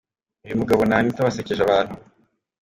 Uyu mugabo na Anita basekeje abantu .